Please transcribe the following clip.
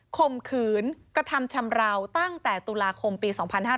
ข่มขืนกระทำชำราวตั้งแต่ตุลาคมปี๒๕๕๙